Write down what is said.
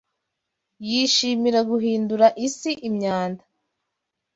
Yishimira guhindura isi imyanda